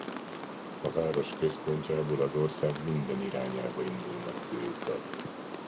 A város központjából az ország minden irányába indulnak főutak.